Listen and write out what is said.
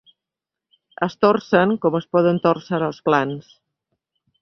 Es torcen com es poden tòrcer els plans.